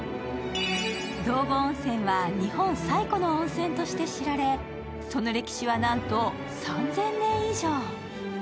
道後温泉は日本最古の温泉として知られその歴史はなんと３０００年以上。